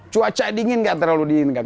cuaca dingin nggak terlalu dingin